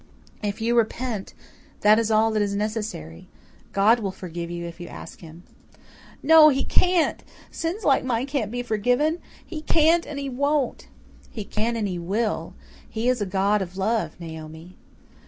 "If you repent, that is all that is necessary. God will forgive you if you ask Him." "No, He can't! Sins like mine can't be forgiven. He can't and He won't." "He can and He will. He is a God of love, Naomi."